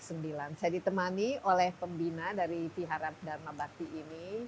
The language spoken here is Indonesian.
saya ditemani oleh pembina dari piharap dharma bakti ini